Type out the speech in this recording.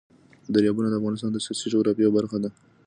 دریابونه د افغانستان د سیاسي جغرافیه برخه ده.